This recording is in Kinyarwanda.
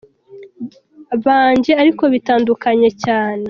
byanjye ariko bitandukanye cyane.